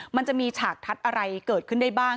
มันจะมีฉากทัศน์อะไรเกิดขึ้นได้บ้าง